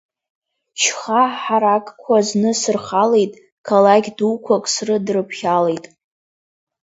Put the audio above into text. Шьха ҳаракқәак зны сырхалеит, қалақь дуқәак срыдрыԥхьалеит…